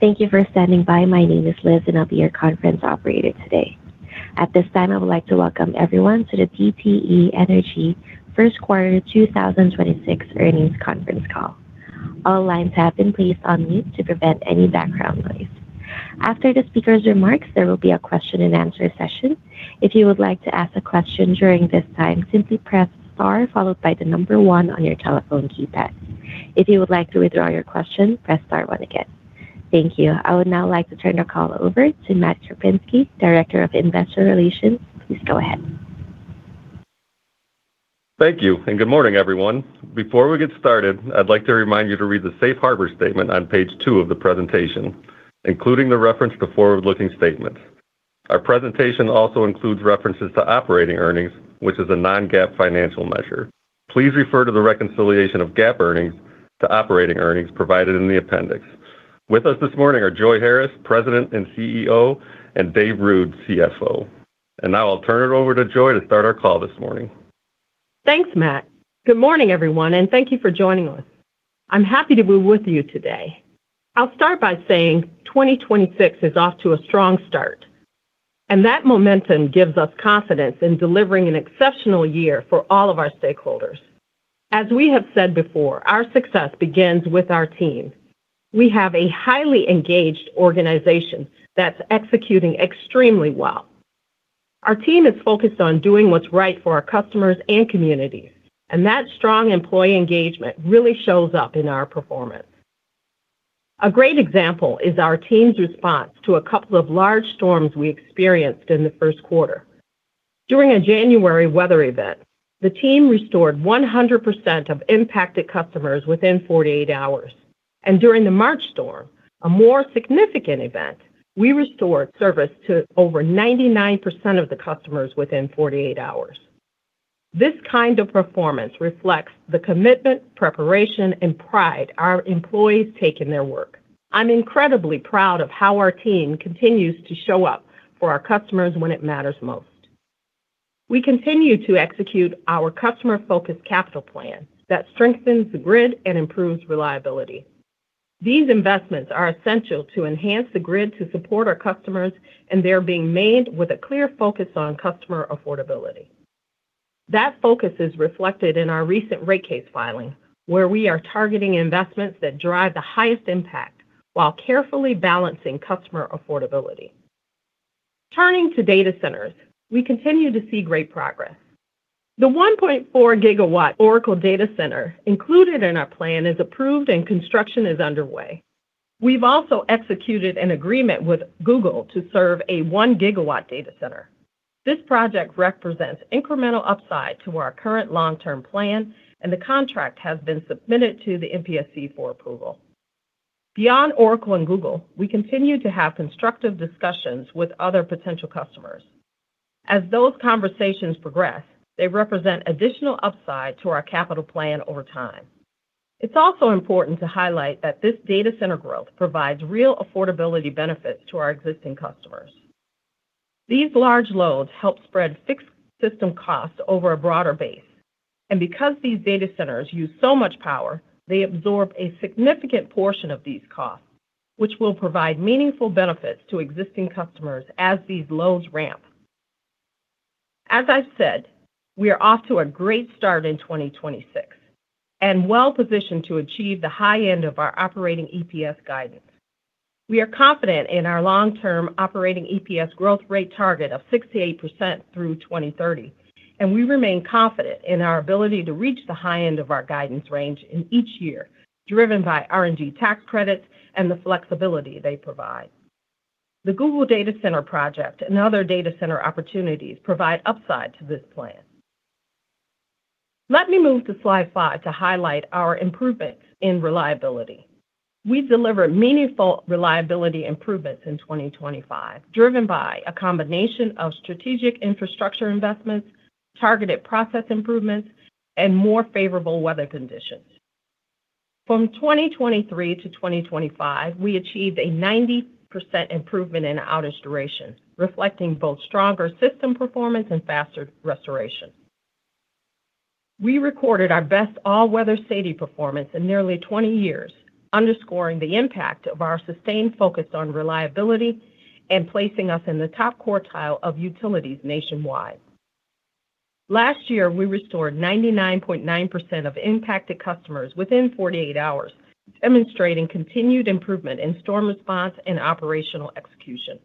Thank you for standing by. My name is Liz and I'll be your conference operator today. At this time, I would like to welcome everyone to the DTE Energy first quarter 2026 earnings conference call. All lines have been placed on mute to prevent any background noise. After the speaker's remarks, there will be a question and answer session. If you would like to ask a question during this time, simply press Star followed by the number one on your telephone keypad. If you would like to withdraw your question, press Star one again. Thank you. I would now like to turn the call over to Matt Krupinski, Director of Investor Relations. Please go ahead. Thank you, good morning, everyone. Before we get started, I'd like to remind you to read the Safe Harbor statement on page two of the presentation, including the reference to forward-looking statements. Our presentation also includes references to operating earnings, which is a Non-GAAP financial measure. Please refer to the reconciliation of GAAP earnings to operating earnings provided in the appendix. With us this morning are Joi Harris, President and CEO, and David Ruud, CFO. Now I'll turn it over to Joi to start our call this morning. Thanks, Matt. Good morning, everyone. Thank you for joining us. I'm happy to be with you today. I'll start by saying 2026 is off to a strong start. That momentum gives us confidence in delivering an exceptional year for all of our stakeholders. As we have said before, our success begins with our team. We have a highly engaged organization that's executing extremely well. Our team is focused on doing what's right for our customers and communities. That strong employee engagement really shows up in our performance. A great example is our team's response to a couple of large storms we experienced in the Q1. During a January weather event, the team restored 100% of impacted customers within 48 hours. During the March storm, a more significant event, we restored service to over 99% of the customers within 48 hours. This kind of performance reflects the commitment, preparation, and pride our employees take in their work. I'm incredibly proud of how our team continues to show up for our customers when it matters most. We continue to execute our customer-focused capital plan that strengthens the grid and improves reliability. These investments are essential to enhance the grid to support our customers, and they're being made with a clear focus on customer affordability. That focus is reflected in our recent rate case filing, where we are targeting investments that drive the highest impact while carefully balancing customer affordability. Turning to data centers, we continue to see great progress. The 1.4 gigawatt Oracle Data Center included in our plan is approved and construction is underway. We've also executed an agreement with Google to serve a 1 gigawatt data center. This project represents incremental upside to our current long-term plan, and the contract has been submitted to the MPSC for approval. Beyond Oracle and Google, we continue to have constructive discussions with other potential customers. As those conversations progress, they represent additional upside to our capital plan over time. It's also important to highlight that this data center growth provides real affordability benefits to our existing customers. These large loads help spread fixed system costs over a broader base. Because these data centers use so much power, they absorb a significant portion of these costs, which will provide meaningful benefits to existing customers as these loads ramp. As I've said, we are off to a great start in 2026 and well-positioned to achieve the high end of our operating EPS guidance. We are confident in our long-term operating EPS growth rate target of 6%-8% through 2030, and we remain confident in our ability to reach the high end of our guidance range in each year, driven by RNG tax credits and the flexibility they provide. The Google Data Center project and other data center opportunities provide upside to this plan. Let me move to slide five to highlight our improvements in reliability. We've delivered meaningful reliability improvements in 2025, driven by a combination of strategic infrastructure investments, targeted process improvements, and more favorable weather conditions. From 2023-2025, we achieved a 90% improvement in outage duration, reflecting both stronger system performance and faster restoration. We recorded our best all-weather SAIDI performance in nearly 20 years, underscoring the impact of our sustained focus on reliability and placing us in the top quartile of utilities nationwide. Last year, we restored 99.9% of impacted customers within 48 hours, demonstrating continued improvement in storm response and operational execution.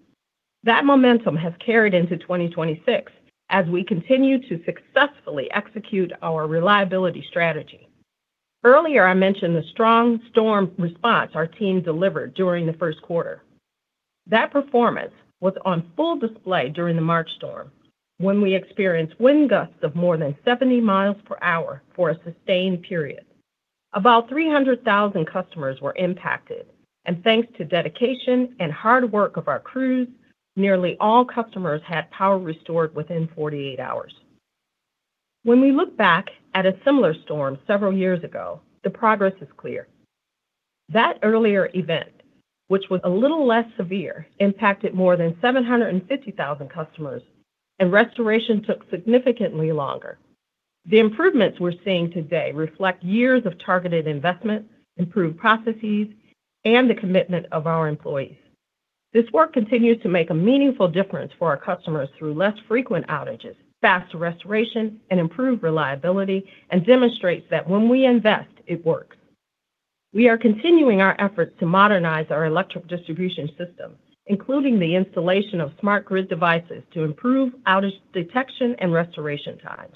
That momentum has carried into 2026 as we continue to successfully execute our reliability strategy. Earlier, I mentioned the strong storm response our team delivered during the first quarter. That performance was on full display during the March storm when we experienced wind gusts of more than 70 miles per hour for a sustained period. About 300,000 customers were impacted. Thanks to dedication and hard work of our crews, nearly all customers had power restored within 48 hours. When we look back at a similar storm several years ago, the progress is clear. That earlier event, which was a little less severe, impacted more than 750,000 customers, and restoration took significantly longer. The improvements we're seeing today reflect years of targeted investments, improved processes, and the commitment of our employees. This work continues to make a meaningful difference for our customers through less frequent outages, fast restoration, and improved reliability, and demonstrates that when we invest, it works. We are continuing our efforts to modernize our electric distribution system, including the installation of smart grid devices to improve outage detection and restoration times.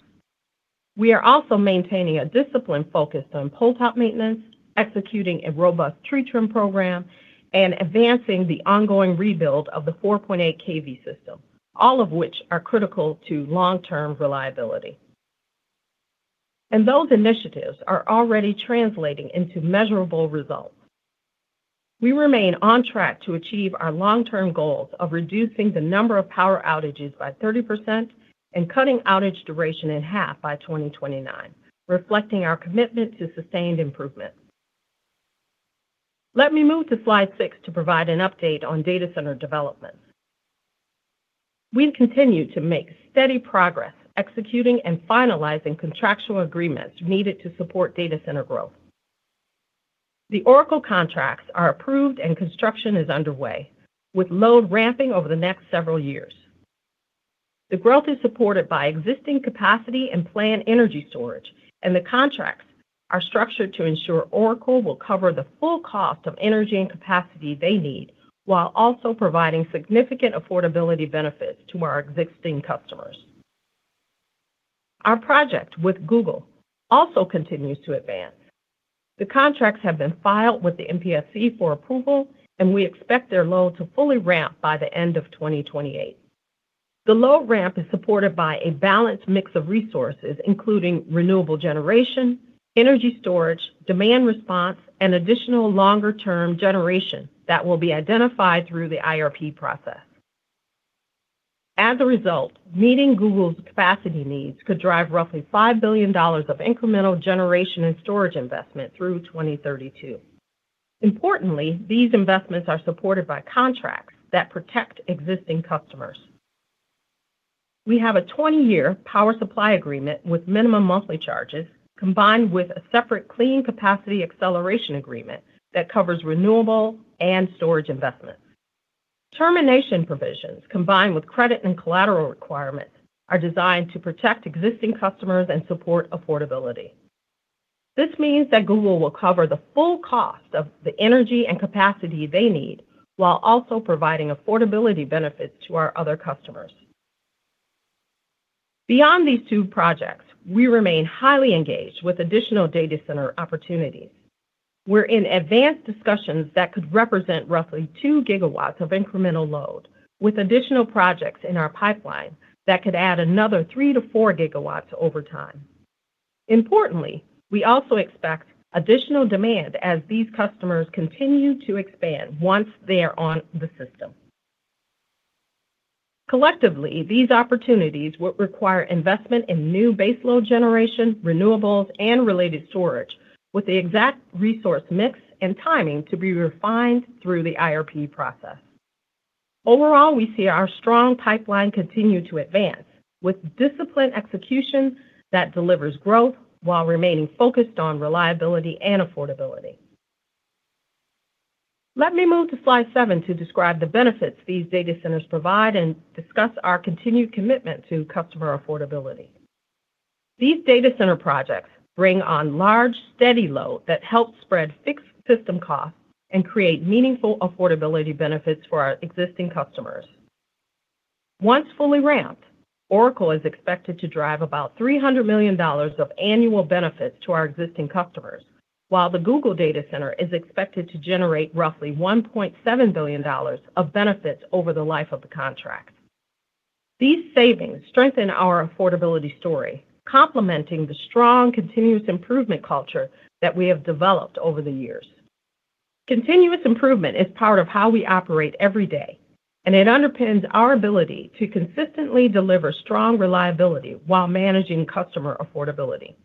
We are also maintaining a discipline focused on pole top maintenance, executing a robust tree trim program, and advancing the ongoing rebuild of the 4.8 kV system, all of which are critical to long-term reliability. Those initiatives are already translating into measurable results. We remain on track to achieve our long-term goals of reducing the number of power outages by 30% and cutting outage duration in half by 2029, reflecting our commitment to sustained improvement. Let me move to slide six to provide an update on data center development. We've continued to make steady progress executing and finalizing contractual agreements needed to support data center growth. The Oracle contracts are approved and construction is underway, with load ramping over the next several years. The growth is supported by existing capacity and planned energy storage, and the contracts are structured to ensure Oracle will cover the full cost of energy and capacity they need, while also providing significant affordability benefits to our existing customers. Our project with Google also continues to advance. The contracts have been filed with the MPSC for approval, and we expect their load to fully ramp by the end of 2028. The load ramp is supported by a balanced mix of resources, including renewable generation, energy storage, demand response, and additional longer-term generation that will be identified through the IRP process. As a result, meeting Google's capacity needs could drive roughly $5 billion of incremental generation and storage investment through 2032. Importantly, these investments are supported by contracts that protect existing customers. We have a 20-year power supply agreement with minimum monthly charges combined with a separate clean capacity acceleration agreement that covers renewable and storage investments. Termination provisions combined with credit and collateral requirements are designed to protect existing customers and support affordability. This means that Google will cover the full cost of the energy and capacity they need, while also providing affordability benefits to our other customers. Beyond these 2 projects, we remain highly engaged with additional data center opportunities. We're in advanced discussions that could represent roughly 2 gigawatts of incremental load, with additional projects in our pipeline that could add another 3-4 gigawatts over time. Importantly, we also expect additional demand as these customers continue to expand once they are on the system. Collectively, these opportunities would require investment in new base load generation, renewables, and related storage with the exact resource mix and timing to be refined through the IRP process. Overall, we see our strong pipeline continue to advance with disciplined execution that delivers growth while remaining focused on reliability and affordability. Let me move to slide seven to describe the benefits these data centers provide and discuss our continued commitment to customer affordability. These data center projects bring on large, steady load that help spread fixed system costs and create meaningful affordability benefits for our existing customers. Once fully ramped, Oracle is expected to drive about $300 million of annual benefits to our existing customers. While the Google data center is expected to generate roughly $1.7 billion of benefits over the life of the contract. These savings strengthen our affordability story, complementing the strong continuous improvement culture that we have developed over the years. Continuous improvement is part of how we operate every day, and it underpins our ability to consistently deliver strong reliability while managing customer affordability.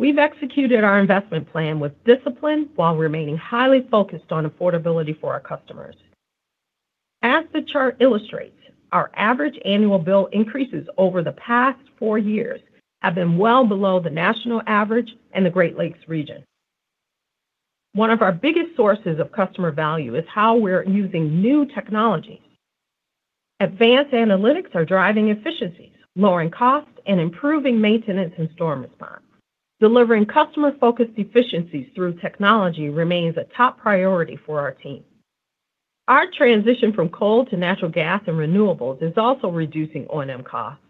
We've executed our investment plan with discipline while remaining highly focused on affordability for our customers. As the chart illustrates, our average annual bill increases over the past four years have been well below the national average in the Great Lakes region. One of our biggest sources of customer value is how we're using new technology. Advanced analytics are driving efficiencies, lowering costs, and improving maintenance and storm response. Delivering customer-focused efficiencies through technology remains a top priority for our team. Our transition from coal to natural gas and renewables is also reducing O&M costs.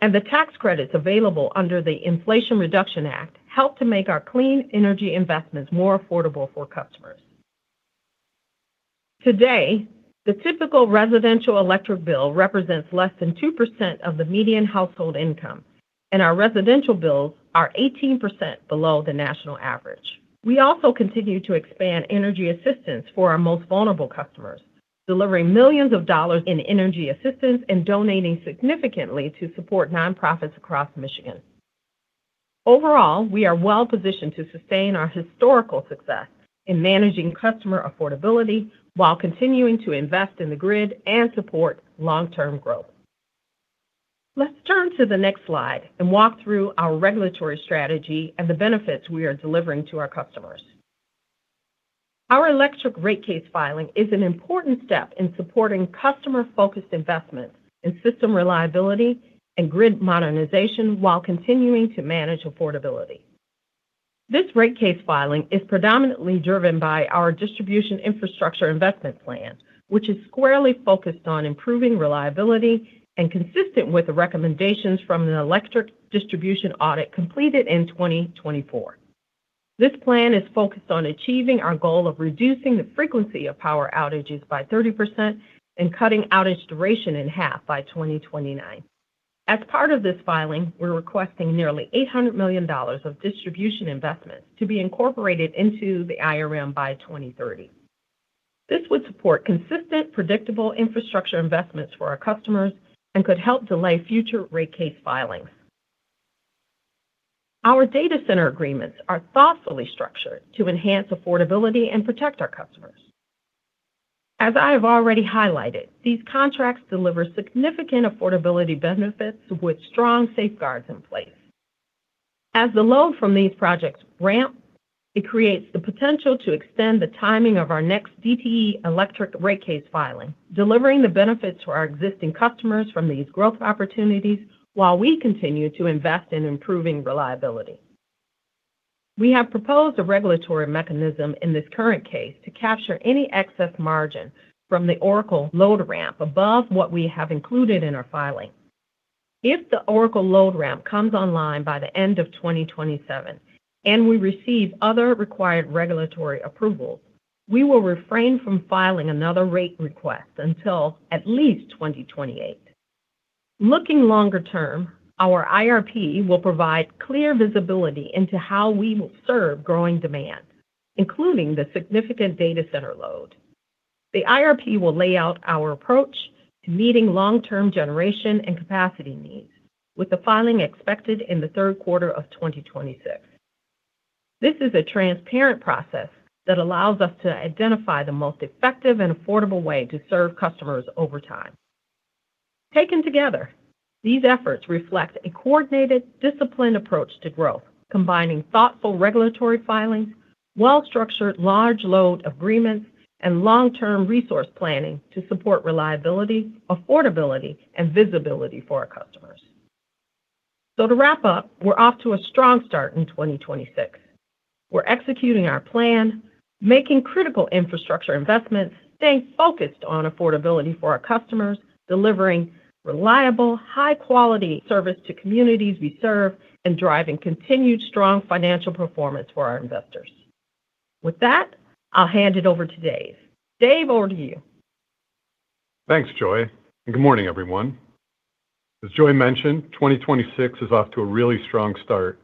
The tax credits available under the Inflation Reduction Act help to make our clean energy investments more affordable for customers. Today, the typical residential electric bill represents less than 2% of the median household income, and our residential bills are 18% below the national average. We also continue to expand energy assistance for our most vulnerable customers, delivering millions of dollars in energy assistance and donating significantly to support nonprofits across Michigan. Overall, we are well-positioned to sustain our historical success in managing customer affordability while continuing to invest in the grid and support long-term growth. Let's turn to the next slide and walk through our regulatory strategy and the benefits we are delivering to our customers. Our electric rate case filing is an important step in supporting customer-focused investments in system reliability and grid modernization while continuing to manage affordability. This rate case filing is predominantly driven by our Distribution Infrastructure Investment Plan, which is squarely focused on improving reliability and consistent with the recommendations from an electric distribution audit completed in 2024. This plan is focused on achieving our goal of reducing the frequency of power outages by 30% and cutting outage duration in half by 2029. As part of this filing, we're requesting nearly $800 million of distribution investment to be incorporated into the IRM by 2030. This would support consistent, predictable infrastructure investments for our customers and could help delay future rate case filings. Our data center agreements are thoughtfully structured to enhance affordability and protect our customers. As I have already highlighted, these contracts deliver significant affordability benefits with strong safeguards in place. As the load from these projects ramp, it creates the potential to extend the timing of our next DTE Electric rate case filing, delivering the benefits to our existing customers from these growth opportunities while we continue to invest in improving reliability. We have proposed a regulatory mechanism in this current case to capture any excess margin from the Oracle load ramp above what we have included in our filing. If the Oracle load ramp comes online by the end of 2027 and we receive other required regulatory approvals, we will refrain from filing another rate request until at least 2028. Looking longer term, our IRP will provide clear visibility into how we will serve growing demand, including the significant data center load. The IRP will lay out our approach to meeting long-term generation and capacity needs with the filing expected in the third quarter of 2026. This is a transparent process that allows us to identify the most effective and affordable way to serve customers over time. Taken together, these efforts reflect a coordinated, disciplined approach to growth, combining thoughtful regulatory filings, well-structured large load agreements, and long-term resource planning to support reliability, affordability, and visibility for our customers. To wrap up, we're off to a strong start in 2026. We're executing our plan, making critical infrastructure investments, staying focused on affordability for our customers, delivering reliable, high-quality service to communities we serve, and driving continued strong financial performance for our investors. With that, I'll hand it over to David. David, over to you. Thanks, Joi. Good morning, everyone. As Joi mentioned, 2026 is off to a really strong start,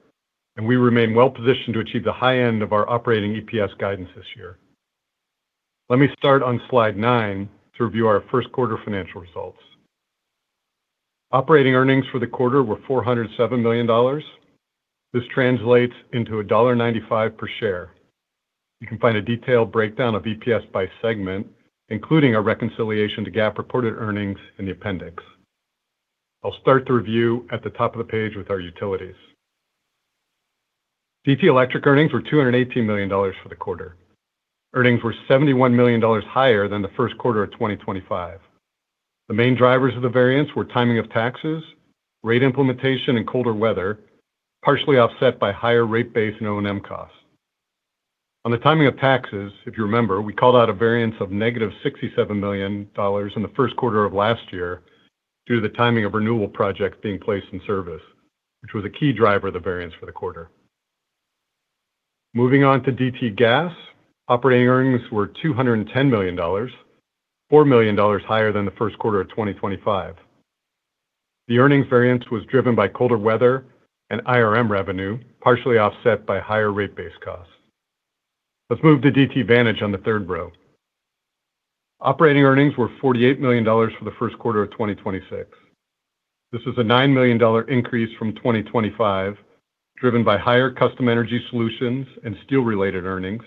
and we remain well-positioned to achieve the high end of our operating EPS guidance this year. Let me start on slide nine to review our first quarter financial results. Operating earnings for the quarter were $407 million. This translates into $1.95 per share. You can find a detailed breakdown of EPS by segment, including a reconciliation to GAAP reported earnings in the appendix. I'll start the review at the top of the page with our utilities. DTE Electric earnings were $218 million for the quarter. Earnings were $71 million higher than the first quarter of 2025. The main drivers of the variance were timing of taxes, rate implementation, and colder weather, partially offset by higher rate base and O&M costs. On the timing of taxes, if you remember, we called out a variance of negative $67 million in the first quarter of last year due to the timing of renewable projects being placed in service, which was a key driver of the variance for the quarter. Moving on to DTE Gas, operating earnings were $210 million, $4 million higher than the first quarter of 2025. The earnings variance was driven by colder weather and IRM revenue, partially offset by higher rate base costs. Let's move to DTE Vantage on the third row. Operating earnings were $48 million for the first quarter of 2026. This is a $9 million increase from 2025, driven by higher customer energy solutions and steel-related earnings,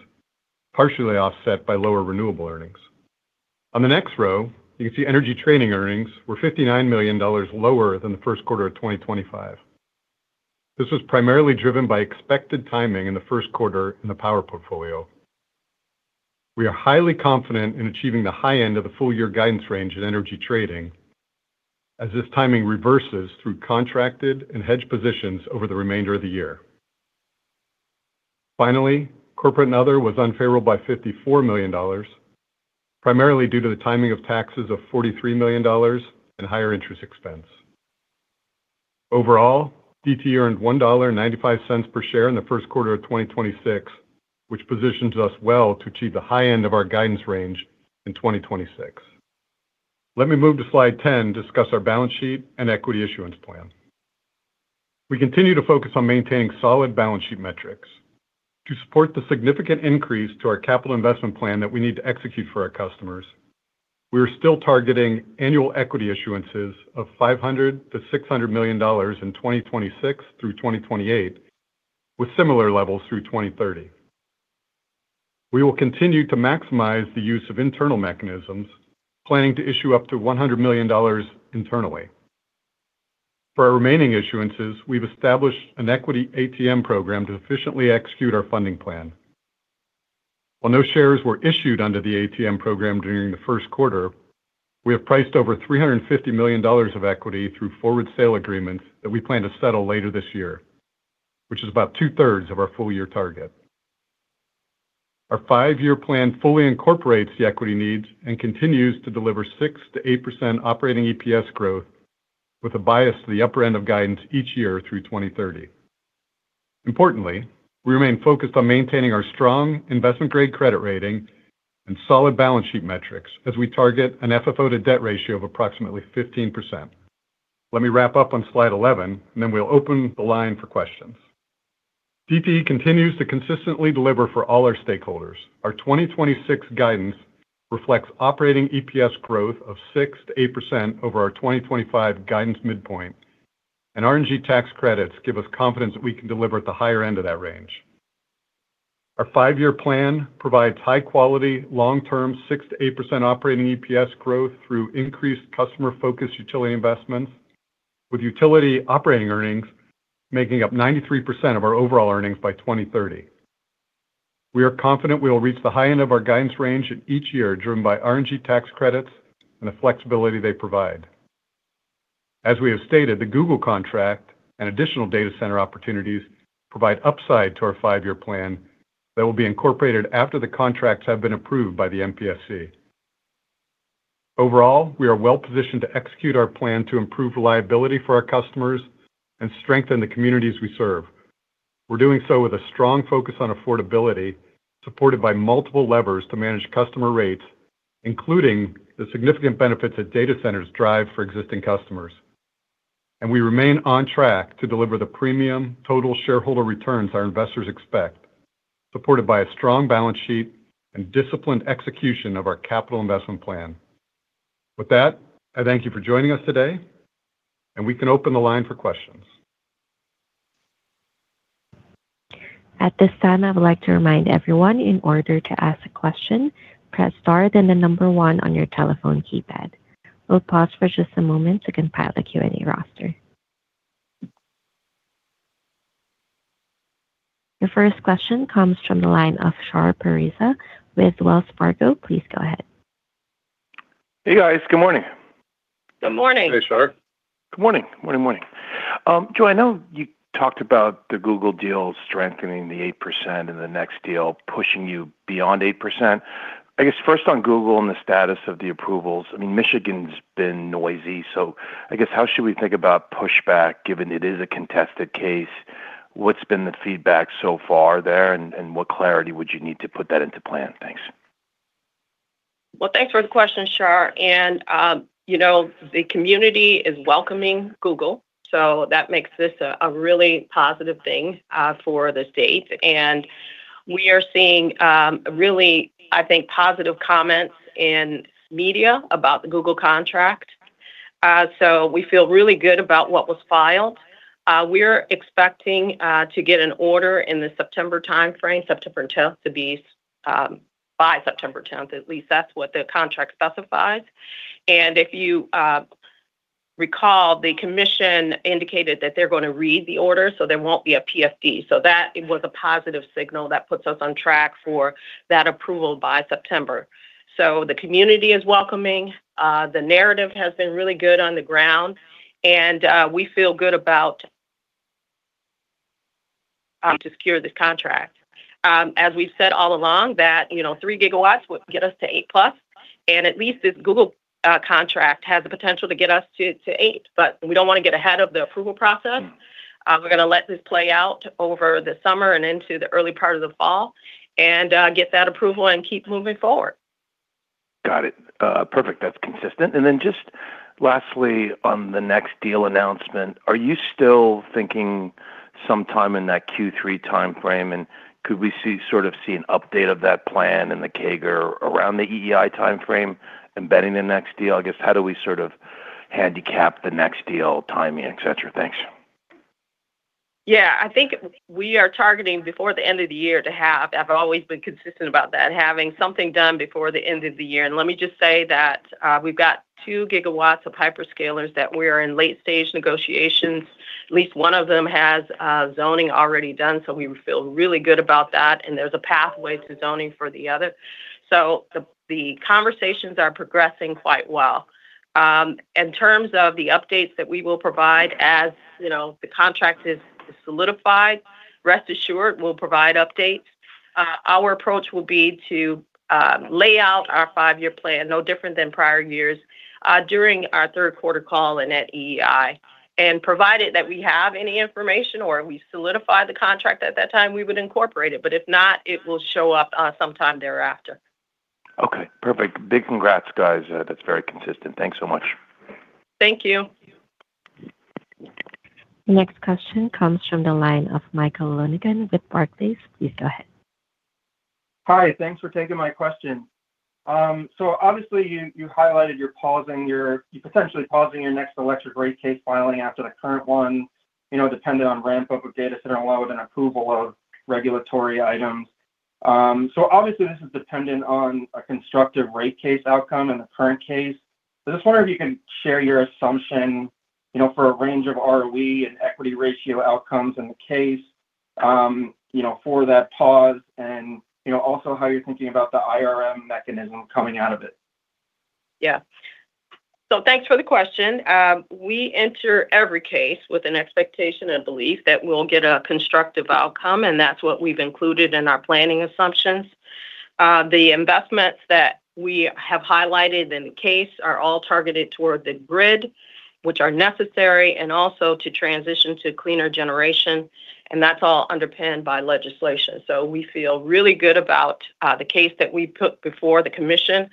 partially offset by lower renewable earnings. On the next row, you can see energy trading earnings were $59 million lower than the first quarter of 2025. This was primarily driven by expected timing in the first quarter in the power portfolio. We are highly confident in achieving the high end of the full-year guidance range in energy trading as this timing reverses through contracted and hedged positions over the remainder of the year. Corporate and other was unfavorable by $54 million, primarily due to the timing of taxes of $43 million and higher interest expense. DTE earned $1.95 per share in the first quarter of 2026, which positions us well to achieve the high end of our guidance range in 2026. Let me move to slide 10, discuss our balance sheet and equity issuance plan. We continue to focus on maintaining solid balance sheet metrics. To support the significant increase to our capital investment plan that we need to execute for our customers. We are still targeting annual equity issuances of $500 million-$600 million in 2026 through 2028, with similar levels through 2030. We will continue to maximize the use of internal mechanisms, planning to issue up to $100 million internally. For our remaining issuances, we've established an equity ATM program to efficiently execute our funding plan. While no shares were issued under the ATM program during the first quarter, we have priced over $350 million of equity through forward sale agreements that we plan to settle later this year, which is about two-thirds of our full-year target. Our five-year plan fully incorporates the equity needs and continues to deliver 6% to 8% operating EPS growth with a bias to the upper end of guidance each year through 2030. Importantly, we remain focused on maintaining our strong investment-grade credit rating and solid balance sheet metrics as we target an FFO to debt ratio of approximately 15%. Let me wrap up on slide 11, and then we'll open the line for questions. DTE continues to consistently deliver for all our stakeholders. Our 2026 guidance reflects 6% to 8% operating EPS growth over our 2025 guidance midpoint, and RNG tax credits give us confidence that we can deliver at the higher end of that range. Our five-year plan provides high-quality, long-term, 6%-8% operating EPS growth through increased customer focus utility investments, with utility operating earnings making up 93% of our overall earnings by 2030. We are confident we will reach the high end of our guidance range in each year, driven by RNG tax credits and the flexibility they provide. As we have stated, the Google contract and additional data center opportunities provide upside to our five-year plan that will be incorporated after the contracts have been approved by the MPSC. We are well-positioned to execute our plan to improve reliability for our customers and strengthen the communities we serve. We're doing so with a strong focus on affordability, supported by multiple levers to manage customer rates, including the significant benefits that data centers drive for existing customers. We remain on track to deliver the premium total shareholder returns our investors expect, supported by a strong balance sheet and disciplined execution of our capital investment plan. With that, I thank you for joining us today, and we can open the line for questions. We'll pause for just a moment to compile a Q&A roster. Your first question comes from the line of Shar Pourreza with Wells Fargo. Please go ahead. Hey, guys. Good morning. Good morning. Hey, Shar. Good morning. Morning. Morning. Joi, I know you talked about the Google deal strengthening the 8% and the next deal pushing you beyond 8%. I guess, first on Google and the status of the approvals, I mean, Michigan's been noisy, so I guess how should we think about pushback, given it is a contested case? What's been the feedback so far there, and what clarity would you need to put that into plan? Thanks. Well, thanks for the question, Shar. You know, the community is welcoming Google, so that makes this a really positive thing for the state. We are seeing, really, I think, positive comments in media about the Google contract. We feel really good about what was filed. We're expecting to get an order in the September timeframe, September 10th, to be by September 10th. At least that's what the contract specifies. If you recall, the commission indicated that they're going to read the order, so there won't be a PFD. That was a positive signal that puts us on track for that approval by September. The community is welcoming. The narrative has been really good on the ground, and we feel good about to secure this contract. As we've said all along, that, you know, 3 gigawatts would get us to 8+, and at least this Google contract has the potential to get us to eight. We don't wanna get ahead of the approval process. We're gonna let this play out over the summer and into the early part of the fall and get that approval and keep moving forward. Got it. Perfect. That's consistent. Just lastly on the next deal announcement, are you still thinking sometime in that Q3 timeframe, could we sort of see an update of that plan and the CAGR around the EEI timeframe embedding the next deal? I guess, how do we sort of handicap the next deal timing, et cetera? Thanks. Yeah. I think we are targeting before the end of the year to have, I've always been consistent about that, having something done before the end of the year. Let me just say that we've got 2 gigawatts of hyperscalers that we're in late stage negotiations. At least one of them has zoning already done, so we feel really good about that, and there's a pathway to zoning for the other. The, the conversations are progressing quite well. In terms of the updates that we will provide, as, you know, the contract is solidified, rest assured we'll provide updates. Our approach will be to lay out our 5-year plan, no different than prior years, during our third quarter call and at EEI. Provided that we have any information or we solidify the contract at that time, we would incorporate it. If not, it will show up, sometime thereafter. Okay. Perfect. Big congrats, guys. That's very consistent. Thanks so much. Thank you. Next question comes from the line of Michael Lonegan with Barclays. Please go ahead. Hi. Thanks for taking my question. Obviously you highlighted you're potentially pausing your next electric rate case filing after the current one, you know, dependent on ramp-up of data center load and approval of regulatory items. Obviously this is dependent on a constructive rate case outcome in the current case. I just wonder if you can share your assumption, you know, for a range of ROE and equity ratio outcomes in the case, you know, for that pause and, you know, also how you're thinking about the IRM mechanism coming out of it. Yeah. Thanks for the question. We enter every case with an expectation and belief that we'll get a constructive outcome, and that's what we've included in our planning assumptions. The investments that we have highlighted in the case are all targeted toward the grid, which are necessary, and also to transition to cleaner generation, and that's all underpinned by legislation. We feel really good about the case that we put before the commission.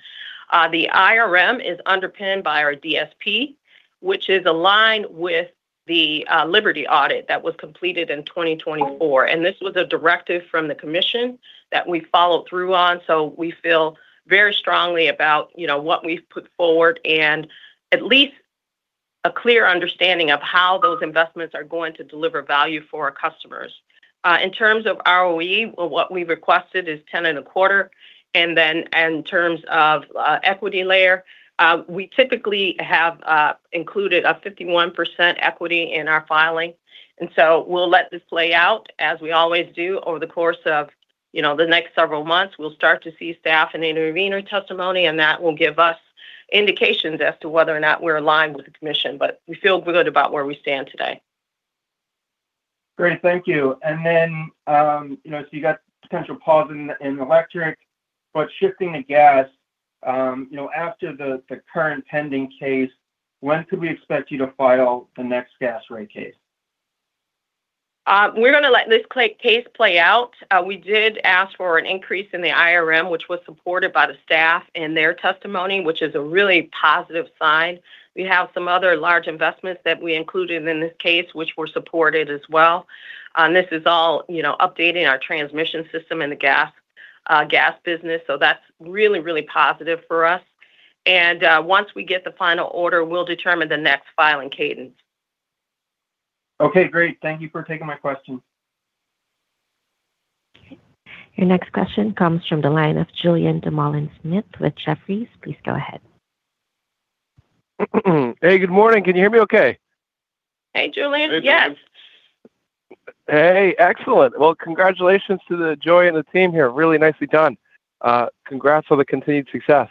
The IRM is underpinned by our DSP, which is aligned with the Liberty Audit that was completed in 2024. This was a directive from the commission that we followed through on, we feel very strongly about, you know, what we've put forward and at least a clear understanding of how those investments are going to deliver value for our customers. In terms of ROE, what we requested is 10.25%. In terms of equity layer, we typically have included a 51% equity in our filing. We'll let this play out, as we always do, over the course of, you know, the next several months. We'll start to see staff and intervener testimony, and that will give us indications as to whether or not we're aligned with the Commission. We feel good about where we stand today. Great. Thank you. You know, so you got potential pause in electric, but shifting to gas, you know, after the current pending case, when could we expect you to file the next gas rate case? We're gonna let this case play out. We did ask for an increase in the IRM, which was supported by the staff and their testimony, which is a really positive sign. We have some other large investments that we included in this case which were supported as well. This is all, you know, updating our transmission system in the gas business, so that's really positive for us. Once we get the final order, we'll determine the next filing cadence. Okay. Great. Thank you for taking my question. Your next question comes from the line of Julien Dumoulin-Smith with Jefferies. Please go ahead. Hey, good morning. Can you hear me okay? Hey, Julien. Yes. Excellent. Well, congratulations to Joi Harris and the team here. Really nicely done. Congrats on the continued success.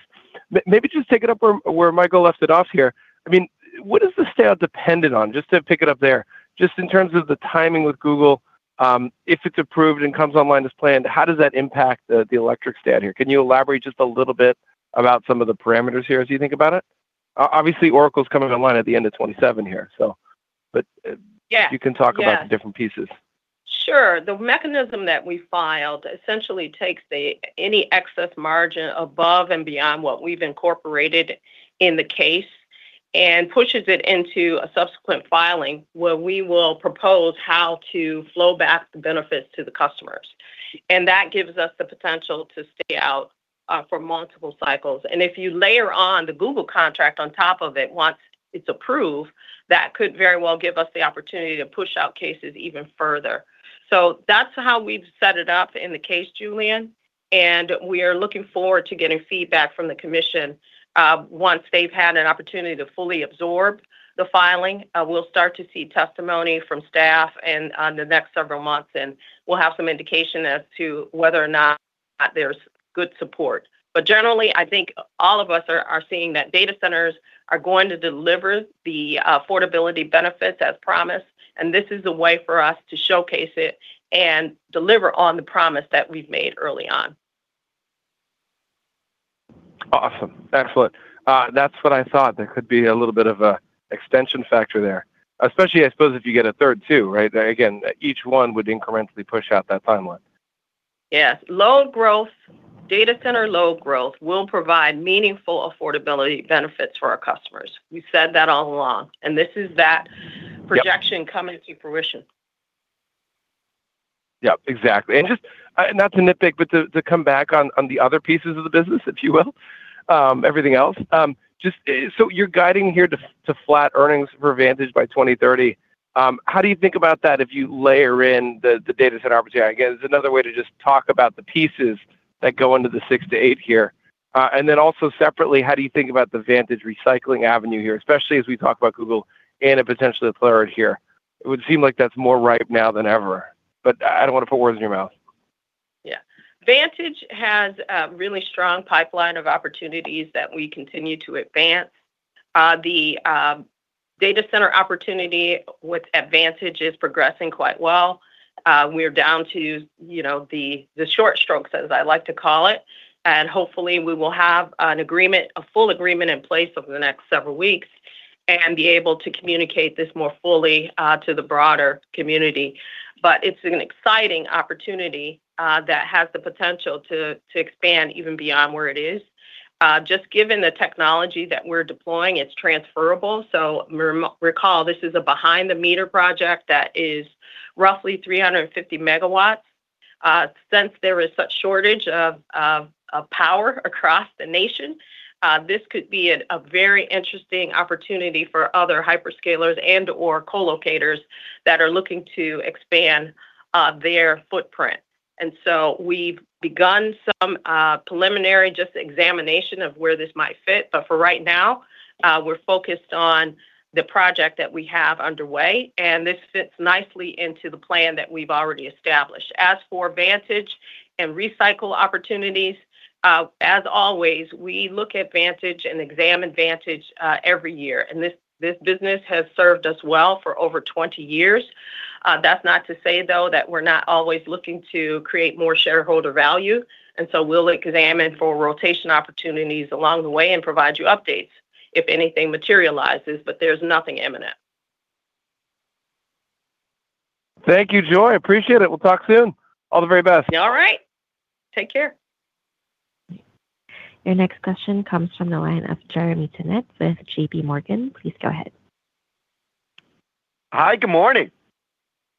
Maybe just take it up where Michael left it off here. I mean, what is the stayout dependent on? Just to pick it up there. Just in terms of the timing with Google, if it's approved and comes online as planned, how does that impact the electric stay out here? Can you elaborate just a little bit about some of the parameters here as you think about it? Obviously, Oracle's coming online at the end of 2027 here. Yeah. Yeah. You can talk about the different pieces. Sure. The mechanism that we filed essentially takes the, any excess margin above and beyond what we've incorporated in the case and pushes it into a subsequent filing where we will propose how to flow back the benefits to the customers, and that gives us the potential to stay out for multiple cycles. If you layer on the Google contract on top of it once it's approved, that could very well give us the opportunity to push out cases even further. That's how we've set it up in the case, Julien, and we are looking forward to getting feedback from the Commission once they've had an opportunity to fully absorb the filing. We'll start to see testimony from staff and on the next several months, and we'll have some indication as to whether or not there's good support. Generally, I think all of us are seeing that data centers are going to deliver the affordability benefits as promised, and this is a way for us to showcase it and deliver on the promise that we've made early on. Awesome. Excellent. That's what I thought. There could be a little bit of a extension factor there, especially, I suppose, if you get a third too, right? Again, each one would incrementally push out that timeline. Yes. Load growth, data center load growth will provide meaningful affordability benefits for our customers. We've said that all along, and this is that projection coming to fruition. Yep, exactly. Just not to nitpick, but to come back on the other pieces of the business, if you will, everything else. Just so you're guiding here to flat earnings for Vantage by 2030. How do you think about that if you layer in the data center opportunity? I guess it's another way to just talk about the pieces that go into the 6-8 here. Also separately, how do you think about the Vantage Recycling Avenue here, especially as we talk about Google and potentially a 3rd here? It would seem like that's more ripe now than ever, but I don't want to put words in your mouth. Yeah. Vantage has a really strong pipeline of opportunities that we continue to advance. The data center opportunity with Vantage is progressing quite well. We're down to, you know, the short strokes, as I like to call it. Hopefully, we will have an agreement, a full agreement in place over the next several weeks and be able to communicate this more fully to the broader community. It's an exciting opportunity that has the potential to expand even beyond where it is. Just given the technology that we're deploying, it's transferable. Recall this is a Behind the Meter project that is roughly 350 megawatts. Since there is such shortage of power across the nation, this could be a very interesting opportunity for other hyperscalers and/or co-locators that are looking to expand their footprint. We've begun some preliminary just examination of where this might fit. For right now, we're focused on the project that we have underway, and this fits nicely into the plan that we've already established. As for Vantage and recycle opportunities, as always, we look at Vantage and examine Vantage every year. This business has served us well for over 20 years. That's not to say, though, that we're not always looking to create more shareholder value. We'll examine for rotation opportunities along the way and provide you updates if anything materializes, but there's nothing imminent. Thank you, Joi. Appreciate it. We'll talk soon. All the very best. All right. Take care. Your next question comes from the line of Jeremy Tonet with JPMorgan. Please go ahead. Hi, good morning.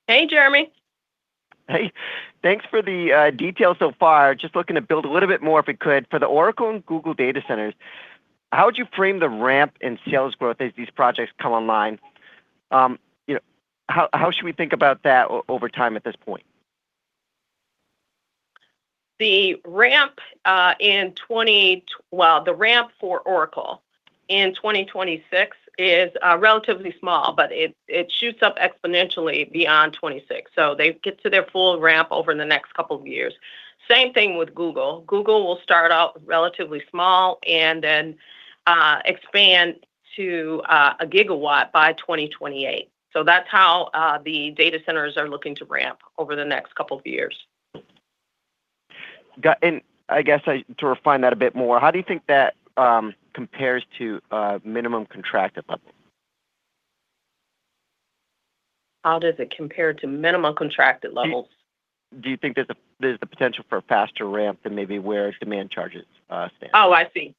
Hey, Jeremy. Hey, thanks for the details so far. Just looking to build a little bit more, if we could. For the Oracle and Google data centers, how would you frame the ramp in sales growth as these projects come online? You know, how should we think about that over time at this point? Well, the ramp for Oracle in 2026 is relatively small, but it shoots up exponentially beyond 2026. They get to their full ramp over the next couple of years. Same thing with Google. Google will start out relatively small and then, expand to 1 gigawatt by 2028. That's how the data centers are looking to ramp over the next couple of years. Got it. I guess to refine that a bit more, how do you think that compares to a minimum contracted level? How does it compare to minimum contracted levels? Do you think there's the potential for a faster ramp than maybe where demand charges stand? Oh, I see.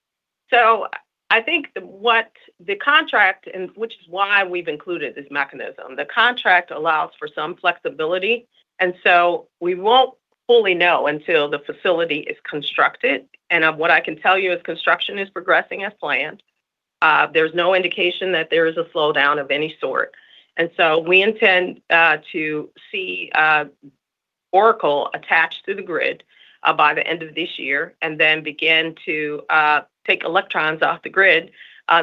I think what the contract and which is why we've included this mechanism, the contract allows for some flexibility. We won't fully know until the facility is constructed. Of what I can tell you is construction is progressing as planned. There's no indication that there is a slowdown of any sort. We intend to see Oracle attached to the grid by the end of this year and then begin to take electrons off the grid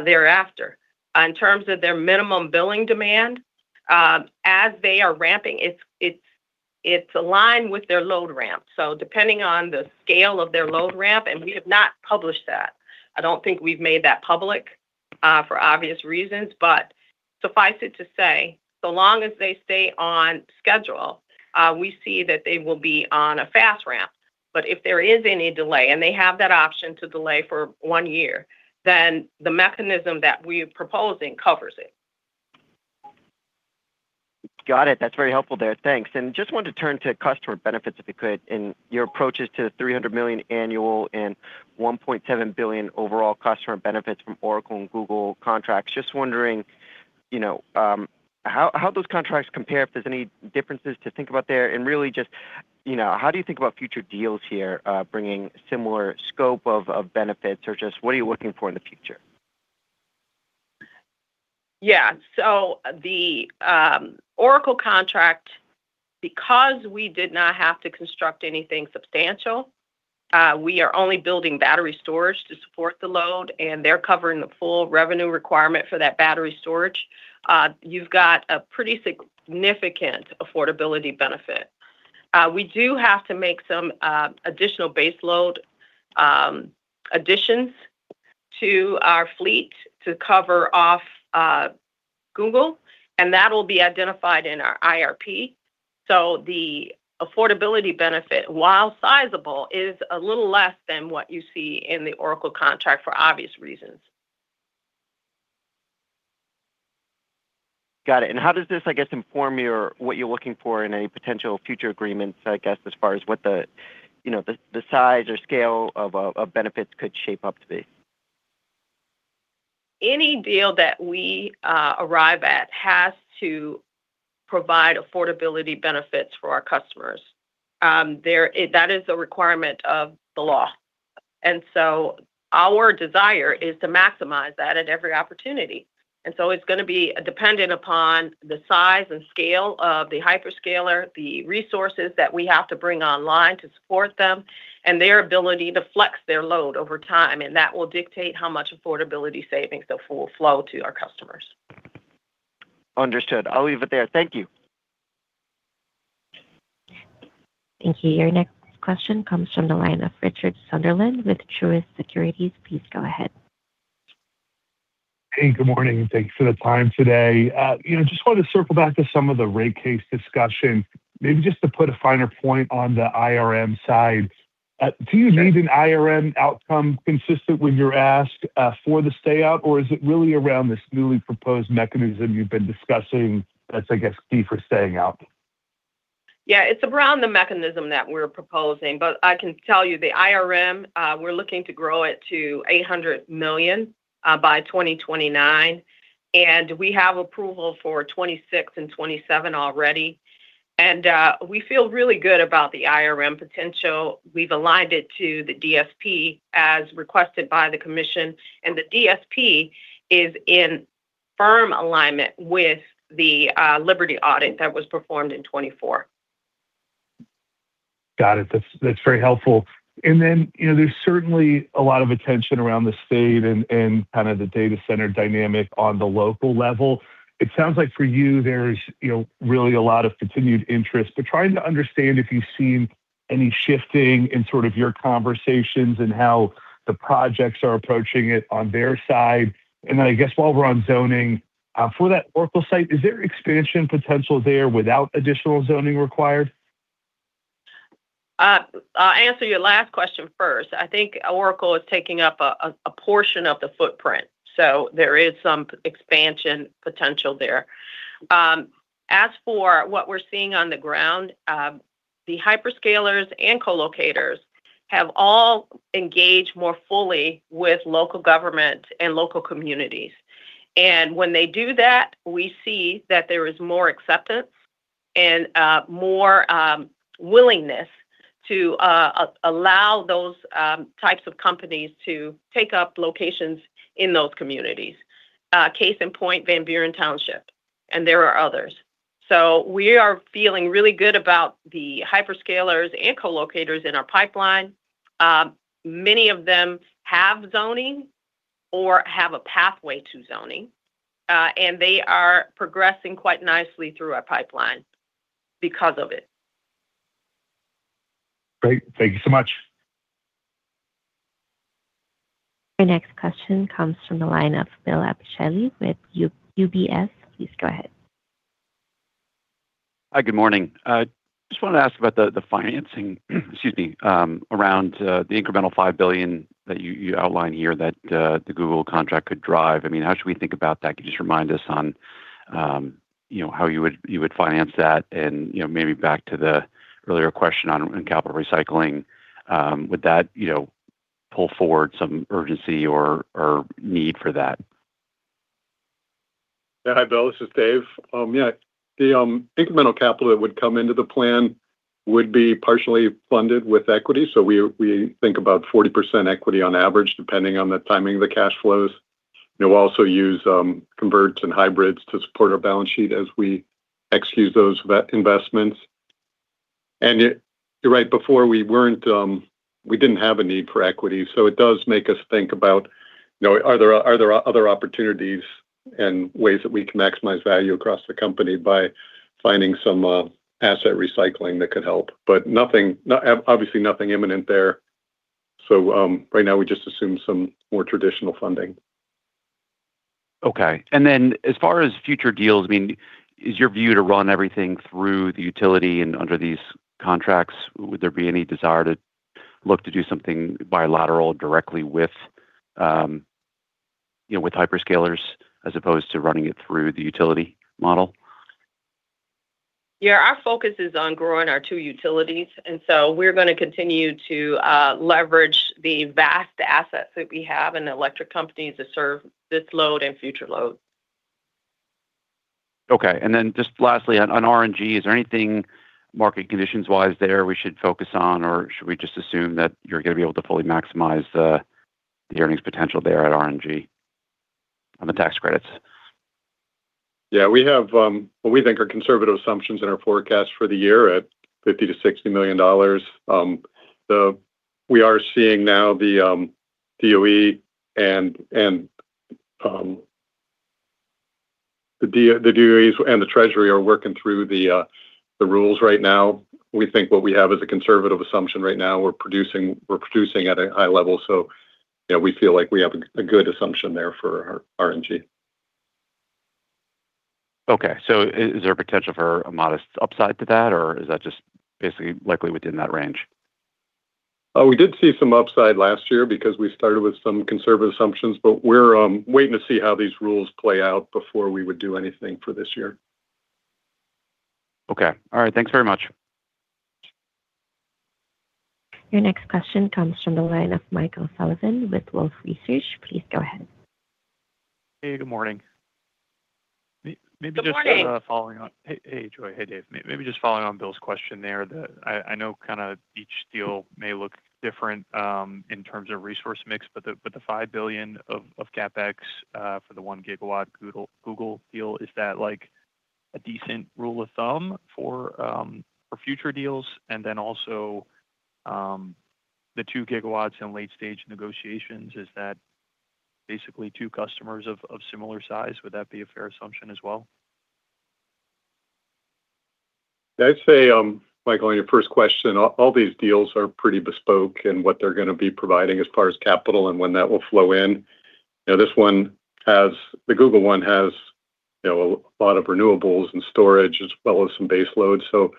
thereafter. In terms of their minimum billing demand, as they are ramping, it's aligned with their load ramp. Depending on the scale of their load ramp, and we have not published that, I don't think we've made that public for obvious reasons. Suffice it to say, so long as they stay on schedule, we see that they will be on a fast ramp. If there is any delay, and they have that option to delay for 1 year, then the mechanism that we're proposing covers it. Got it. That's very helpful there. Thanks. Just wanted to turn to customer benefits, if you could, and your approaches to the $300 million annual and $1.7 billion overall customer benefits from Oracle and Google contracts. Just wondering, you know, how those contracts compare, if there's any differences to think about there. Really just, you know, how do you think about future deals here, bringing similar scope of benefits, or just what are you looking for in the future? The Oracle contract, because we did not have to construct anything substantial, we are only building battery storage to support the load, and they're covering the full revenue requirement for that battery storage. You've got a pretty significant affordability benefit. We do have to make some additional baseload additions to our fleet to cover off Google, and that will be identified in our IRP. The affordability benefit, while sizable, is a little less than what you see in the Oracle contract for obvious reasons. Got it. How does this, I guess, inform what you're looking for in any potential future agreements, I guess, as far as what the, you know, the size or scale of benefits could shape up to be? Any deal that we arrive at has to provide affordability benefits for our customers. There, that is a requirement of the law. Our desire is to maximize that at every opportunity. It's gonna be dependent upon the size and scale of the hyperscaler, the resources that we have to bring online to support them, and their ability to flex their load over time, and that will dictate how much affordability savings that will flow to our customers. Understood. I'll leave it there. Thank you. Thank you. Your next question comes from the line of Richard Sunderland with Truist Securities. Please go ahead. Hey, good morning. Thanks for the time today. You know, just wanted to circle back to some of the rate case discussion, maybe just to put a finer point on the IRM side. Do you need an IRM outcome consistent when you're asked for the stay out, or is it really around this newly proposed mechanism you've been discussing that's, I guess, key for staying out? Yeah, it's around the mechanism that we're proposing. I can tell you the IRM, we're looking to grow it to $800 million by 2029, and we have approval for 2026 and 2027 already. We feel really good about the IRM potential. We've aligned it to the DSP as requested by the commission, the DSP is in firm alignment with the Liberty Audit that was performed in 2024. Got it. That's, that's very helpful. And then, you know, there's certainly a lot of attention around the state and kind of the data center dynamic on the local level. It sounds like for you, there's, you know, really a lot of continued interest. But trying to understand if you've seen any shifting in sort of your conversations and how the projects are approaching it on their side. And then I guess while we're on zoning, for that Oracle site, is there expansion potential there without additional zoning required? I'll answer your last question first. I think Oracle is taking up a portion of the footprint, so there is some expansion potential there. As for what we're seeing on the ground, the hyperscalers and co-locators have all engaged more fully with local government and local communities. When they do that, we see that there is more acceptance and more willingness to allow those types of companies to take up locations in those communities. Case in point, Van Buren Township, and there are others. We are feeling really good about the hyperscalers and co-locators in our pipeline. Many of them have zoning or have a pathway to zoning, and they are progressing quite nicely through our pipeline because of it. Great. Thank you so much. Your next question comes from the line of Bill Pisciotti with UBS. Please go ahead. Hi, good morning. I just wanted to ask about the financing, excuse me, around the incremental $5 billion that you outlined here that the Google contract could drive. I mean, how should we think about that? Could you just remind us on, you know, how you would finance that and, you know, maybe back to the earlier question on capital recycling, would that, you know, pull forward some urgency or need for that? Hi, Bill. This is David Ruud. The incremental capital that would come into the plan would be partially funded with equity. We think about 40% equity on average, depending on the timing of the cash flows. We'll also use converts and hybrids to support our balance sheet as we execute those investments. You're right. Before, we weren't, we didn't have a need for equity. It does make us think about, you know, are there other opportunities and ways that we can maximize value across the company by finding some asset recycling that could help? Nothing, obviously nothing imminent there. Right now we just assume some more traditional funding. Okay. As far as future deals, I mean, is your view to run everything through the utility and under these contracts? Would there be any desire to look to do something bilateral directly with, you know, with hyperscalers as opposed to running it through the utility model? Yeah, our focus is on growing our two utilities. We're gonna continue to leverage the vast assets that we have in the electric companies to serve this load and future loads. Okay. Just lastly, on RNG, is there anything market conditions-wise there we should focus on, or should we just assume that you're going to be able to fully maximize the earnings potential there at RNG on the tax credits? Yeah, we have what we think are conservative assumptions in our forecast for the year at $50 million-$60 million. We are seeing now the DOE and the DOEs and the Treasury are working through the rules right now. We think what we have is a conservative assumption right now. We're producing at a high level. You know, we feel like we have a good assumption there for our RNG. Okay. Is there a potential for a modest upside to that, or is that just basically likely within that range? We did see some upside last year because we started with some conservative assumptions, but we're waiting to see how these rules play out before we would do anything for this year. Okay. All right. Thanks very much. Your next question comes from the line of Michael Sullivan with Wolfe Research. Please go ahead. Hey, good morning. Maybe just. Good morning. Hey, Joi. Hey, David. Just following on Bill's question there. I know each deal may look different in terms of resource mix, but the $5 billion of CapEx for the 1 gigawatt Google deal, is that like a decent rule of thumb for future deals? The 2 gigawatts in late-stage negotiations, is that basically two customers of similar size? Would that be a fair assumption as well? I'd say, Michael, on your first question, all these deals are pretty bespoke in what they're gonna be providing as far as capital and when that will flow in. You know, The Google one has a lot of renewables and storage as well as some base loads. You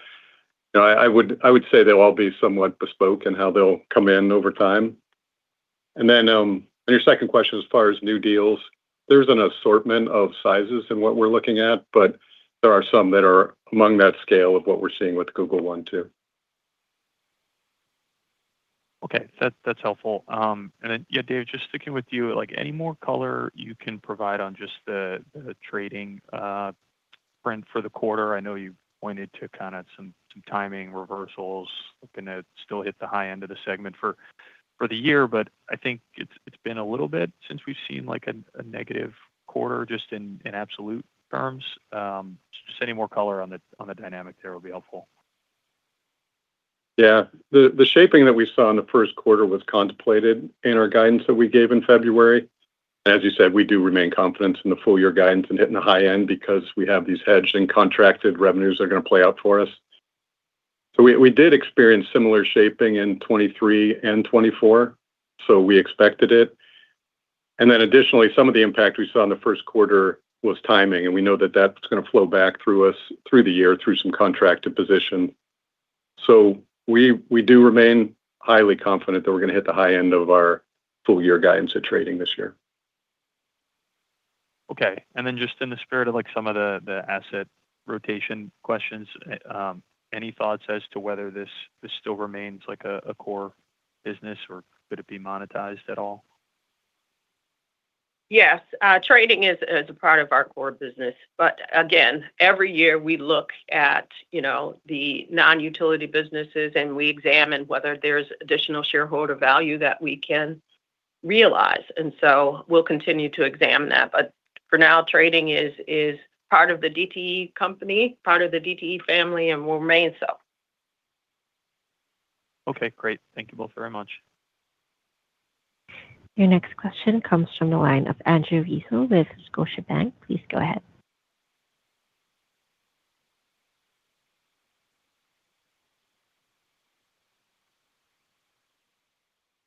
know, I would say they'll all be somewhat bespoke in how they'll come in over time. Then, and your second question, as far as new deals, there's an assortment of sizes in what we're looking at, but there are some that are among that scale of what we're seeing with Google One, too. Okay. That's, that's helpful. Yeah, David Ruud, just sticking with you, like any more color you can provide on just the trading print for the quarter. I know you pointed to kinda some timing reversals, looking to still hit the high end of the segment for the year, I think it's been a little bit since we've seen like a negative quarter just in absolute terms. Just any more color on the dynamic there will be helpful. Yeah. The shaping that we saw in the Q1 was contemplated in our guidance that we gave in February. As you said, we do remain confident in the full year guidance and hitting the high end because we have these hedged and contracted revenues that are gonna play out for us. We did experience similar shaping in 2023 and 2024, so we expected it. Additionally, some of the impact we saw in the first quarter was timing, and we know that that's gonna flow back through us through the year through some contracted position. We do remain highly confident that we're gonna hit the high end of our full year guidance to energy trading this year. Okay. Then just in the spirit of like some of the asset rotation questions, any thoughts as to whether this still remains like a core business, or could it be monetized at all? Yes. Trading is a part of our core business. Again, every year we look at, you know, the non-utility businesses, and we examine whether there's additional shareholder value that we can realize. We'll continue to examine that. For now, trading is part of the DTE company, part of the DTE family, and will remain so. Okay, great. Thank you both very much. Your next question comes from the line of Andrew Weisel with Scotiabank. Please go ahead.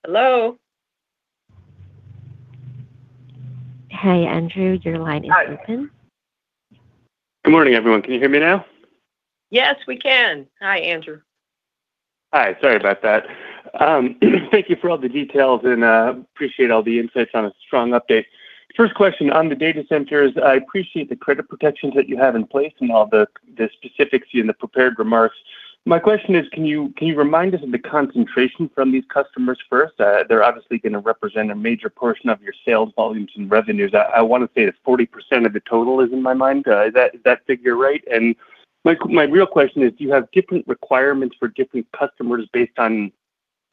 Hello? Hey, Andrew. Your line is open. Hi. Good morning, everyone. Can you hear me now? Yes, we can. Hi, Andrew. Hi. Sorry about that. Thank you for all the details, appreciate all the insights on a strong update. First question on the data centers. I appreciate the credit protections that you have in place and all the specifics in the prepared remarks. My question is, can you remind us of the concentration from these customers first? They're obviously gonna represent a major portion of your sales volumes and revenues. I wanna say it's 40% of the total is in my mind. Is that figure right? My real question is, do you have different requirements for different customers based on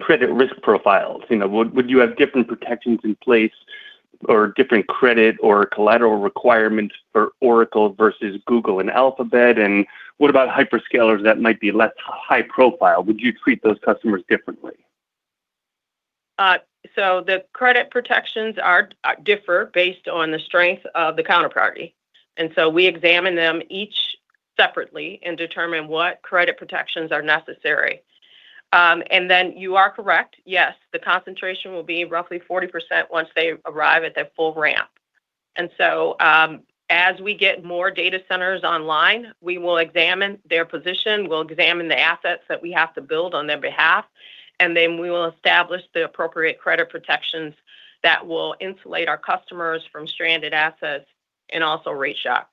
credit risk profiles? You know, would you have different protections in place or different credit or collateral requirements for Oracle versus Google and Alphabet? What about hyperscalers that might be less high profile? Would you treat those customers differently? So the credit protections differ based on the strength of the counterparty. We examine them each separately and determine what credit protections are necessary. You are correct. Yes, the concentration will be roughly 40% once they arrive at their full ramp. As we get more data centers online, we will examine their position, we'll examine the assets that we have to build on their behalf, we will establish the appropriate credit protections that will insulate our customers from stranded assets and also rate shock.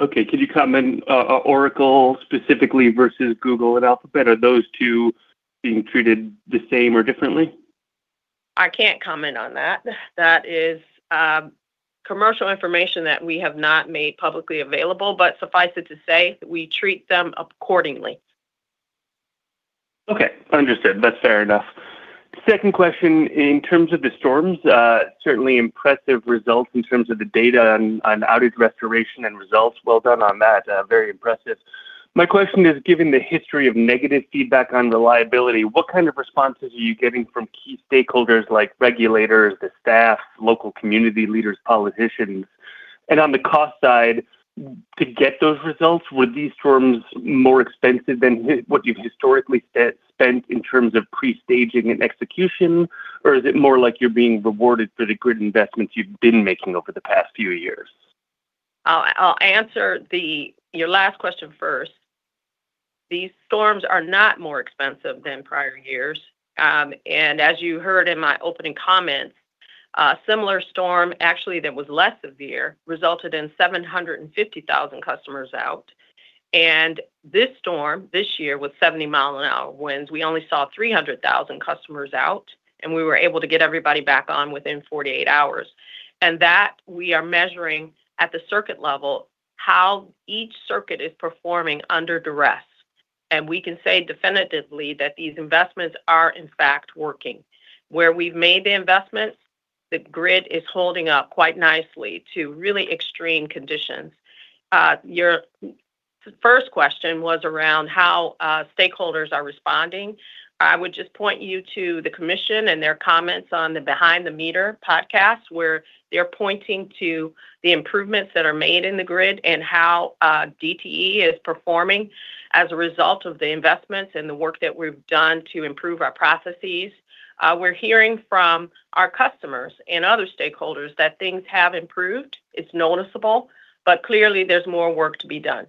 Okay. Could you comment, Oracle specifically versus Google and Alphabet? Are those two being treated the same or differently? I can't comment on that. That is commercial information that we have not made publicly available. Suffice it to say, we treat them accordingly. Okay. Understood. That's fair enough. Second question, in terms of the storms, certainly impressive results in terms of the data and outage restoration and results. Well done on that. Very impressive. My question is, given the history of negative feedback on reliability, what kind of responses are you getting from key stakeholders like regulators, the staff, local community leaders, politicians? On the cost side, to get those results, were these storms more expensive than what you've historically spent in terms of pre-staging and execution? Is it more like you're being rewarded for the grid investments you've been making over the past few years? I'll answer your last question first. These storms are not more expensive than prior years. As you heard in my opening comments, a similar storm actually that was less severe resulted in 750,000 customers out. This storm this year with 70 mile an hour winds, we only saw 300,000 customers out, and we were able to get everybody back on within 48 hours. That we are measuring at the circuit level how each circuit is performing under duress. We can say definitively that these investments are in fact working. Where we've made the investments, the grid is holding up quite nicely to really extreme conditions. Your first question was around how stakeholders are responding. I would just point you to the commission and their comments on the Behind the Meter podcast, where they're pointing to the improvements that are made in the grid and how DTE is performing as a result of the investments and the work that we've done to improve our processes. We're hearing from our customers and other stakeholders that things have improved. It's noticeable, but clearly there's more work to be done.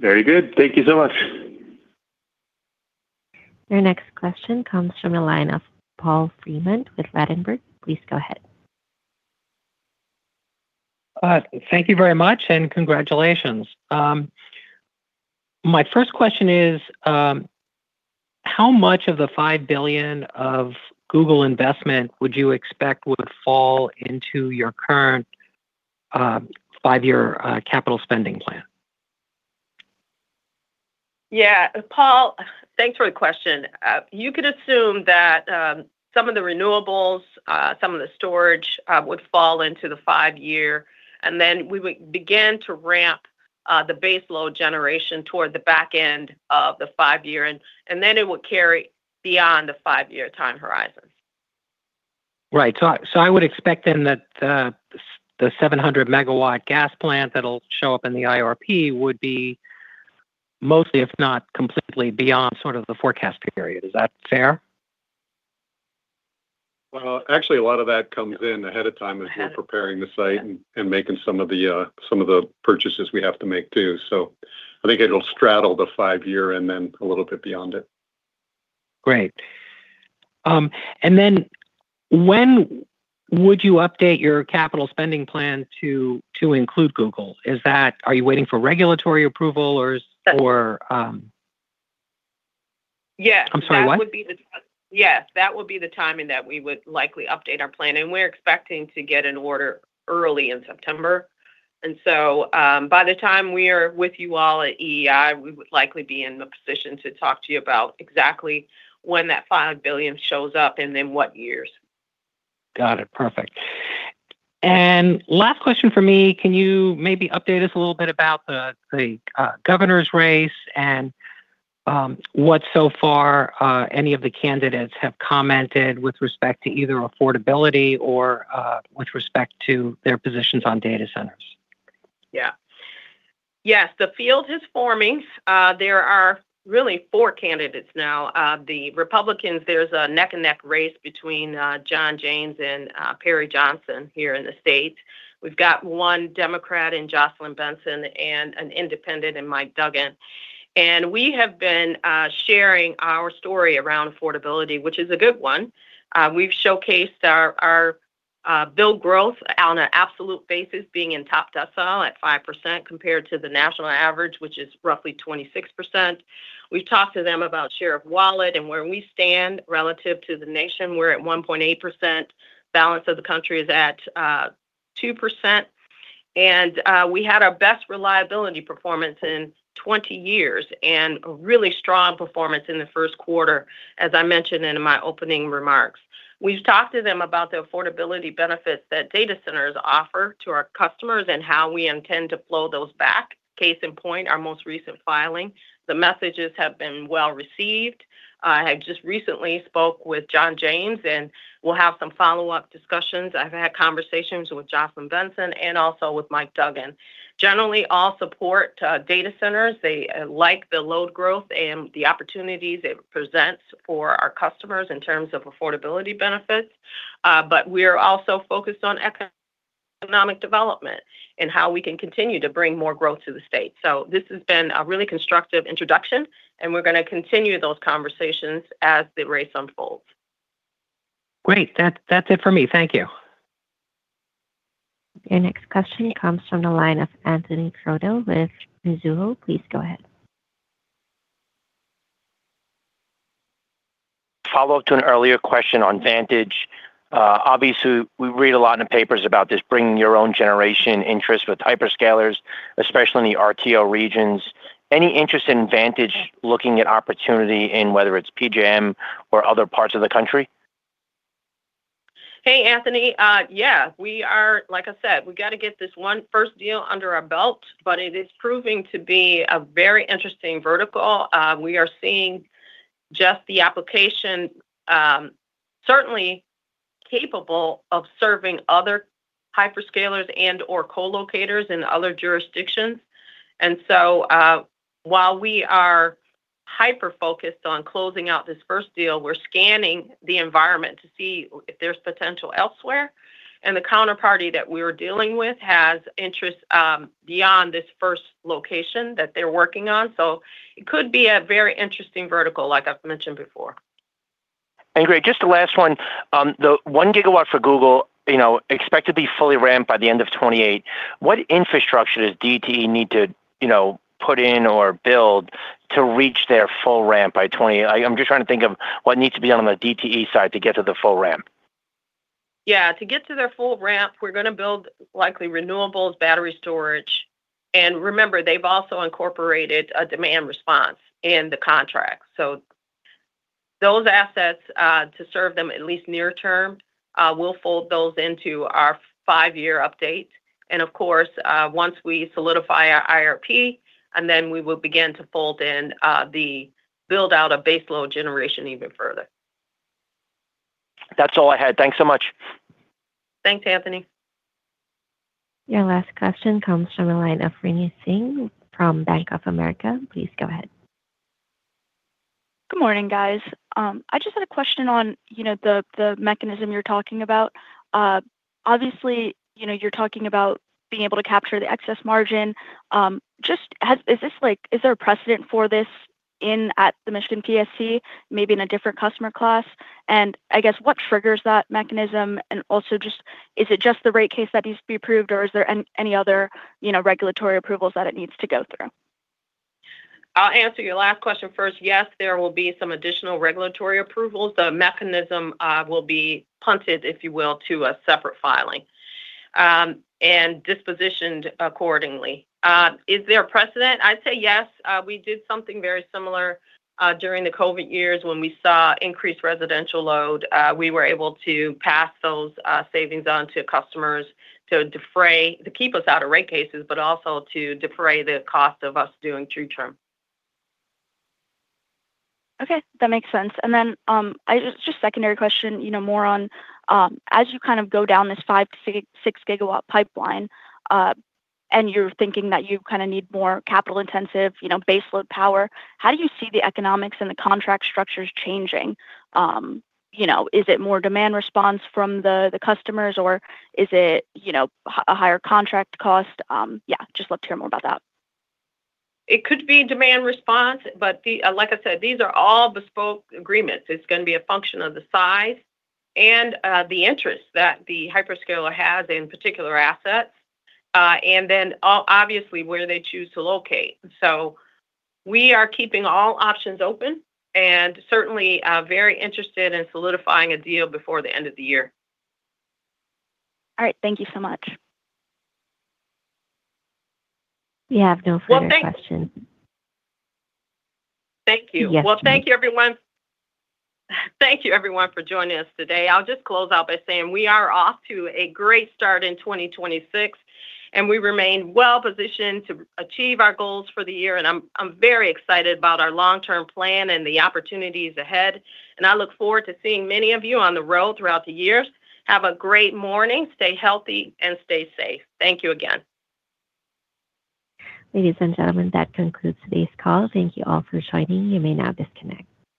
Very good. Thank you so much. Your next question comes from the line of Paul Fremont with Ladenburg. Please go ahead. Thank you very much, and congratulations. My first question is, how much of the $5 billion of Google investment would you expect would fall into your current five year capital spending plan? Yeah. Paul, thanks for the question. You could assume that some of the renewables, some of the storage, would fall into the five year, and then we would begin to ramp the base load generation toward the back end of the five year and then it would carry beyond the five year time horizon. Right. I would expect then that the 700 megawatt gas plant that'll show up in the IRP would be mostly, if not completely, beyond sort of the forecasting period. Is that fair? Well, actually, a lot of that comes in ahead of time as we're preparing the site and making some of the, some of the purchases we have to make too. I think it'll straddle the five year and then a little bit beyond it. Great. Then when would you update your capital spending plan to include Google? Are you waiting for regulatory approval? Yes... or, Yeah. I'm sorry, what? Yes. That would be the timing that we would likely update our plan, and we're expecting to get an order early in September. By the time we are with you all at EEI, we would likely be in the position to talk to you about exactly when that $5 billion shows up and in what years. Got it. Perfect. Last question from me, can you maybe update us a little bit about the governor's race and what so far any of the candidates have commented with respect to either affordability or with respect to their positions on data centers? Yes, the field is forming. There are really four candidates now. The Republicans, there's a neck and neck race between John James and Perry Johnson here in the States. We've got one Democrat in Jocelyn Benson and an independent in Mike Duggan. We have been sharing our story around affordability, which is a good one. We've showcased our bill growth on an absolute basis, being in top decile at 5% compared to the national average, which is roughly 26%. We've talked to them about share of wallet and where we stand relative to the nation. We're at 1.8%, balance of the country is at 2%. We had our best reliability performance in 20 years and a really strong performance in the first quarter, as I mentioned in my opening remarks. We've talked to them about the affordability benefits that data centers offer to our customers and how we intend to flow those back. Case in point, our most recent filing. The messages have been well-received. I had just recently spoke with John James, and we'll have some follow-up discussions. I've had conversations with Jocelyn Benson and also with Mike Duggan. Generally, all support data centers. They like the load growth and the opportunities it presents for our customers in terms of affordability benefits. We're also focused on economic development and how we can continue to bring more growth to the state. This has been a really constructive introduction, and we're gonna continue those conversations as the race unfolds. Great. That's it for me. Thank you. Your next question comes from the line of Anthony Crowdell with Mizuho. Please go ahead. Follow-up to an earlier question on Vantage. Obviously, we read a lot in the papers about this bring your own generation interest with hyperscalers, especially in the RTO regions. Any interest in Vantage looking at opportunity in whether it's PJM or other parts of the country? Hey, Anthony. Yeah, like I said, we gotta get this one first deal under our belt. It is proving to be a very interesting vertical. We are seeing just the application, certainly capable of serving other hyperscalers and or co-locators in other jurisdictions. While we are hyper-focused on closing out this first deal, we're scanning the environment to see if there's potential elsewhere. The counterparty that we're dealing with has interest beyond this first location that they're working on. It could be a very interesting vertical, like I've mentioned before. Great. Just the last one. The 1 gigawatt for Google, you know, expect to be fully ramped by the end of 2028. What infrastructure does DTE need to, you know, put in or build to reach their full ramp by 2028? I'm just trying to think of what needs to be on the DTE side to get to the full ramp. Yeah. To get to their full ramp, we're gonna build likely renewables, battery storage. Remember, they've also incorporated a demand response in the contract. Those assets, to serve them at least near term, we'll fold those into our five-year update. Of course, once we solidify our IRP, then we will begin to fold in the build-out of base load generation even further. That's all I had. Thanks so much. Thanks, Anthony. Your last question comes from the line of Durgesh Singh from Bank of America. Please go ahead. Good morning, guys. I just had a question on, you know, the mechanism you're talking about. Obviously, you know, you're talking about being able to capture the excess margin. Is there a precedent for this in at the MPSC, maybe in a different customer class? I guess what triggers that mechanism? Also just, is it just the rate case that needs to be approved, or is there any other, you know, regulatory approvals that it needs to go through? I'll answer your last question first. Yes, there will be some additional regulatory approvals. The mechanism will be punted, if you will, to a separate filing, and dispositioned accordingly. Is there a precedent? I'd say yes. We did something very similar during the COVID years when we saw increased residential load. We were able to pass those savings on to customers to defray, to keep us out of rate cases, but also to defray the cost of us doing true term. Okay, that makes sense. Then, just secondary question, you know, more on, as you kind of go down this 5 to 6 gigawatt pipeline, and you're thinking that you kinda need more capital intensive, you know, base load power, how do you see the economics and the contract structures changing? You know, is it more demand response from the customers, or is it, you know, a higher contract cost? Just love to hear more about that. It could be demand response, but like I said, these are all bespoke agreements. It's gonna be a function of the size and the interest that the hyperscaler has in particular assets, and then obviously, where they choose to locate. We are keeping all options open and certainly, very interested in solidifying a deal before the end of the year. All right. Thank you so much. We have no further questions. Well, thank you. Yes. Thank you, everyone. Thank you, everyone, for joining us today. I'll just close out by saying we are off to a great start in 2026. We remain well-positioned to achieve our goals for the year. I'm very excited about our long-term plan and the opportunities ahead. I look forward to seeing many of you on the road throughout the years. Have a great morning. Stay healthy and stay safe. Thank you again. Ladies and gentlemen, that concludes today's call. Thank you all for joining. You may now disconnect.